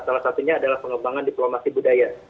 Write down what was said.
salah satunya adalah pengembangan diplomasi budaya